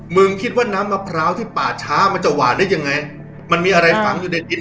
คิดว่าน้ำมะพร้าวที่ป่าช้ามันจะหวานได้ยังไงมันมีอะไรฝังอยู่ในอิน